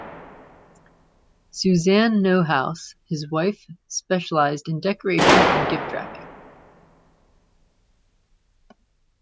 Suzanne Neuhaus, his wife, specialised in decoration and gift wrapping.